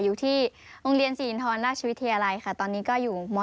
อยู่ที่โรงเรียนศรีอินทรราชวิทยาลัยค่ะตอนนี้ก็อยู่ม๔